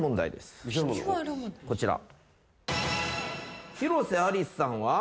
こちら。